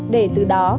để từ đó